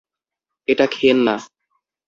এটা খেয়েন না!